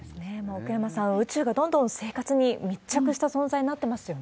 奥山さん、宇宙がどんどん生活に密着した存在になっていますよね。